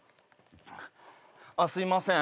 あっすいません。